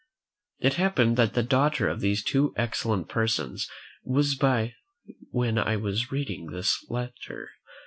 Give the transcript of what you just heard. It happened that the daughter of these two excellent persons was by when I was reading this letter.